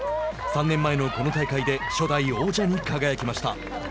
３年前のこの大会で初代王者に輝きました。